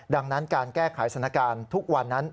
ดังนั้นการแก้ไขสถานการณ์ทุกวันนั้น